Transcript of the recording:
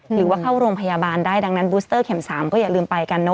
หรือว่าเข้าโรงพยาบาลได้ดังนั้นบูสเตอร์เข็ม๓ก็อย่าลืมไปกันเนอ